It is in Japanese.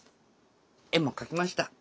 絵も描きました。